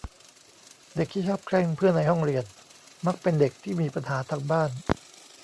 เด็กที่ชอบแกล้งเพื่อนในห้องเรียน มักเป็นเด็กที่มีปัญหาทางบ้าน